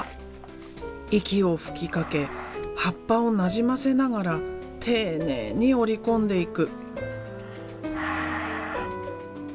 息を吹きかけ葉っぱをなじませながら丁寧に折り込んでいく。